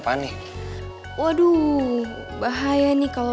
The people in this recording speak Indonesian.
kayaknya dia udah kemana mana